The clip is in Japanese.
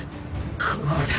このままじゃ。